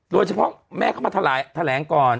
โดยเฉพาะแม่เขามาแถลงก่อน